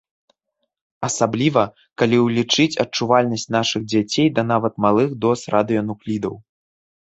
Асабліва, калі ўлічыць адчувальнасць нашых дзяцей да нават малых доз радыенуклідаў.